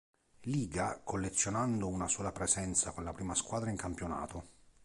Līga, collezionando una sola presenza con la prima squadra in campionato.